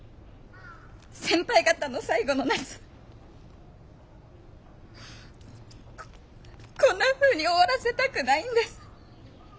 先輩方の最後の夏こんなふうに終わらせたくないんです。